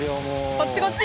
こっちこっち。